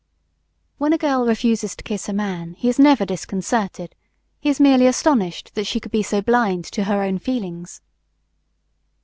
When a girl refuses to kiss a man he is never disconcerted; he is merely astonished that she could be so blind to her own feelings.